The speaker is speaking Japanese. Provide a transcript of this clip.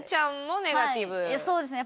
はいそうですね。